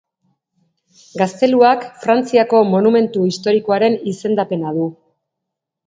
Gazteluak Frantziako Monumentu Historikoaren izendapena du.